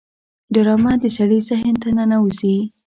ډرامه د سړي ذهن ته ننوزي